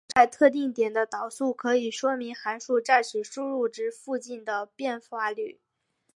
函数在特定点的导数可以说明函数在此输入值附近的变化率。